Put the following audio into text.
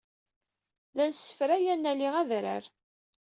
La nessefray ad naley adrar-a.